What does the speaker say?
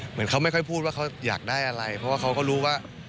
เหมือนเขาไม่ค่อยพูดว่าเขาอยากได้อะไรเพราะว่าเขาก็รู้ว่า